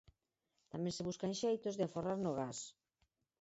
Tamén se buscan xeitos de aforrar no gas.